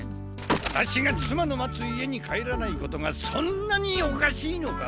ワタシが妻の待つ家に帰らないことがそんなにおかしいのか？